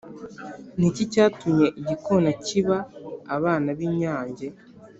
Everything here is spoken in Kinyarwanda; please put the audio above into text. ni iki cyatumye igikona kiba abana b’inyange?